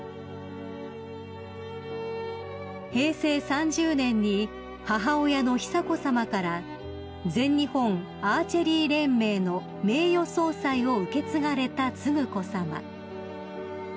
［平成３０年に母親の久子さまから全日本アーチェリー連盟の名誉総裁を受け継がれた承子さま］